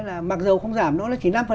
là mặc dù không giảm nó là chỉ năm